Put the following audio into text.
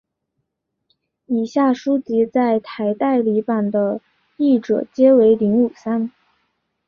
以下书籍在台代理版的译者皆为林武三。